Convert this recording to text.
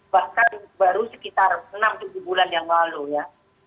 bahkan baru sekitar enam tujuh bulan yang lalu ya